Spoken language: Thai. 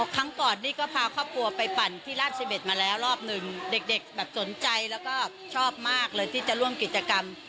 ครั้งก่อนนี่ก็พาครอบครัวไปปั่นที่ราช๑๑มาแล้วรอบหนึ่งเด็กแบบสนใจแล้วก็ชอบมากเลยที่จะร่วมกิจกรรม